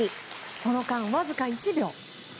その間、わずか１秒。